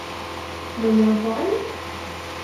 Me ne mvoè;